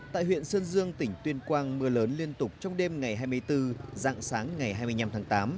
tại huyện sơn dương tỉnh tuyên quang mưa lớn liên tục trong đêm ngày hai mươi bốn dạng sáng ngày hai mươi năm tháng tám